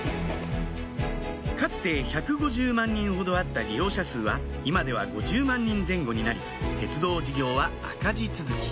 かつて１５０万人ほどあった利用者数は今では５０万人前後になり鉄道事業は赤字続き